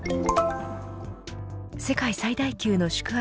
世界最大級の宿泊